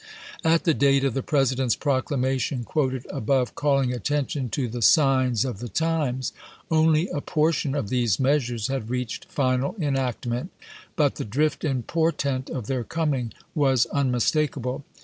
At the date of the Presi dent's proclamation quoted above calling attention to the " signs of the times," only a portion of these measures had reached final enactment ; but the drift and portent of their coming was unmistakable.